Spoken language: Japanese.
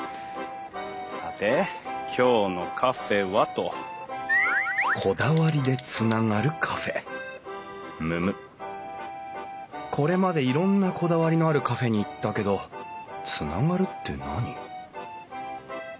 さて今日のカフェはと。むむ？これまでいろんなこだわりのあるカフェに行ったけどつながるって何？